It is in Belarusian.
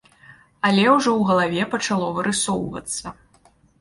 Але ўжо ў галаве пачало вырысоўвацца.